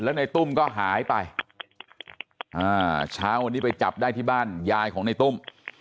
แล้วในตุ้มก็หายไปเช้าวันนี้ไปจับได้ที่บ้านยายของในตุ้ม